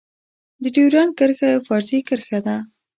د ډيورند کرښه يوه فرضي کرښه ده.